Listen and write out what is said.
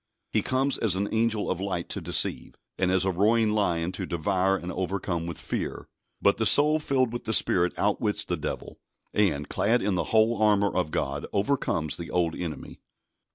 He comes as an angel of light to deceive, and as a roaring lion to devour and overcome with fear; but the soul filled with the Spirit outwits the Devil, and, clad in the whole armour of God, overcomes the old enemy.